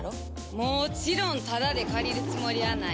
もちろんタダで借りるつもりはない。